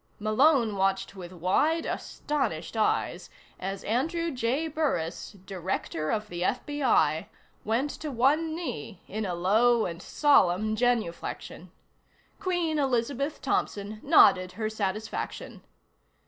Malone watched with wide, astonished eyes as Andrew J. Burris, Director of the FBI, went to one knee in a low and solemn genuflection. Queen Elizabeth Thompson nodded her satisfaction.